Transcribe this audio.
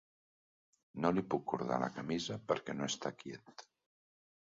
No li puc cordar la camisa perquè no està quiet.